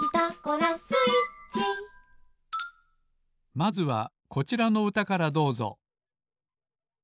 まずはこちらのうたからどうぞ。